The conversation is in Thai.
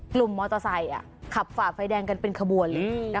กลุ่มมอเตอร์ไซค์ขับฝ่าไฟแดงกันเป็นขบวนเลย